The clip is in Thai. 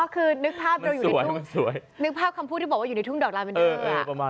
คือนึกภาพคำพูดที่บอกว่าอยู่ในทุ่งดอกลาเมนเดอร์อะ